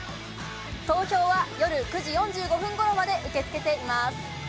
投票は夜９時４５分ごろまで受け付けています。